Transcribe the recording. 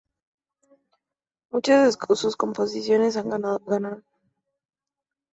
Muchas de sus composiciones han ganaron premios.